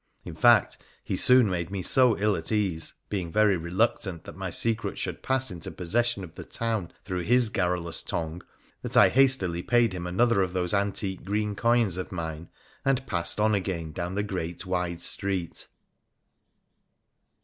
In fact, he soon made me so ill at ease, being very reluctant that my secret should pass into possession of the town through his garrulous tongue, that I hastily paid him another of those antique green coins of mine, and passed on again down the great wide street.